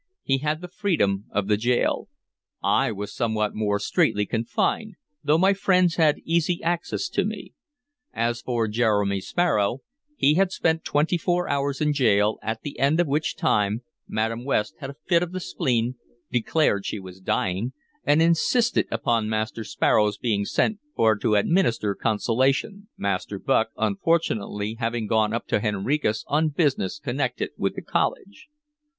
He had the freedom of the gaol. I was somewhat more straitly confined, though my friends had easy access to me. As for Jeremy Sparrow, he had spent twenty four hours in gaol, at the end of which time Madam West had a fit of the spleen, declared she was dying, and insisted upon Master Sparrow's being sent for to administer consolation; Master Bucke, unfortunately, having gone up to Henricus on business connected with the college.